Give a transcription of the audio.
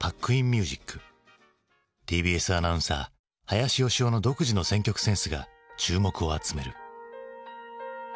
ＴＢＳアナウンサー林美雄の独自の選曲センスが注目を集める。